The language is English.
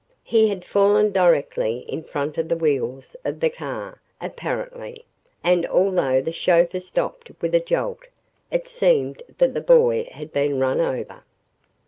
He had fallen directly in front of the wheels of the car, apparently, and although the chauffeur stopped with a jolt, it seemed that the boy had been run over.